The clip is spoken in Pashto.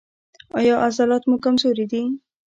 ایا عضلات مو کمزوري دي؟